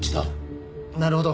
なるほど。